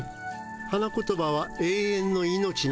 花言葉は「永遠の命」なのです。